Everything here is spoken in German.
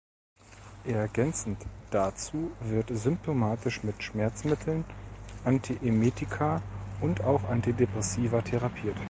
Ergänzend dazu wird symptomatisch mit Schmerzmitteln, Antiemetika und auch Antidepressiva therapiert.